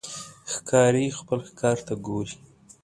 ښکاري خپل ښکار ته ګوري.